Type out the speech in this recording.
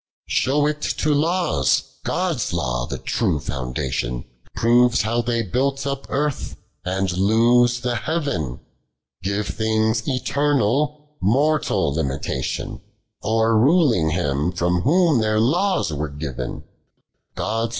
108. Shew it to Laws ; God's Law, the true foundation, Troves how they build up Earth, and loose the ] leaven ; Give things eternal, mortal limitation, 0'n>ruling Ilim from whom their laws were given: ^76 OF REUOIOS'.